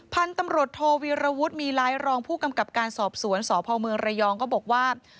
พันธุ์ตำรวจโทวีรวุฒิมีไลค์รองผู้กำกับการสอบสวนสพเมืองระยองก็บอกว่า